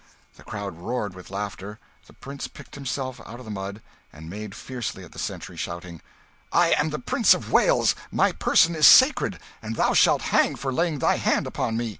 The crowd roared with laughter. The prince picked himself out of the mud, and made fiercely at the sentry, shouting "I am the Prince of Wales, my person is sacred; and thou shalt hang for laying thy hand upon me!"